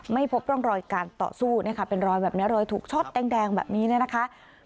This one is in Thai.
ไม่พบต้องรอยการต่อสู้นะฮะเป็นรอยแบบเนี่ยโดยถูกช็อตแดงแดงแบบนี้นะคะ